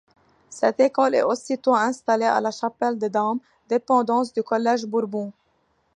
Cette école est aussitôt installée à la Chapelle des Dames, dépendance du Collège Bourbon.